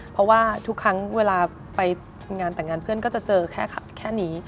เพราะว่าทุกครั้งเวลาไปงานแต่งงานเพื่อนก็จะเจอแค่นี้